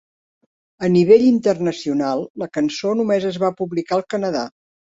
A nivell internacional, la cançó només es va publicar al Canadà.